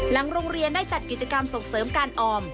หลังโรงเรียนได้จัดกิจกรรมส่งเสริมการออม